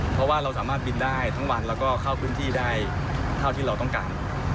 เพราะว่าเราสามารถบินได้ทั้งวันแล้วก็เข้าพื้นที่ได้เท่าที่เราต้องการ